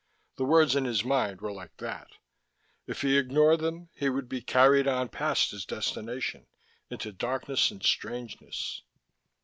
The words in his mind were like that: if he ignored them he would be carried on past his destination, into darkness and strangeness.